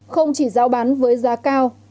không chỉ giao bán với giá cao